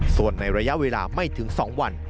ส่วนในระยะเวลาไม่ถึง๒วัน